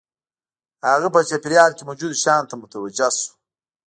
هغه په چاپېريال کې موجودو شیانو ته متوجه شو